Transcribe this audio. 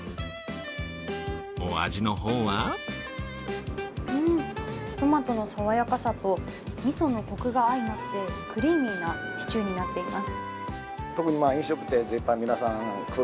お味の方はうん、トマトの爽やかさとみそのコクが相まってクリーミーなシチューになっています。